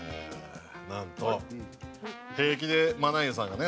なんと平気で真無代さんがね